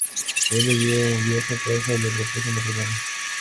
Él le dio un viaje a casa y le propuso matrimonio.